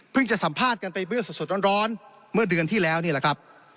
จะสัมภาษณ์กันไปเบื้อสดร้อนเมื่อเดือนที่แล้วนี่แหละครับ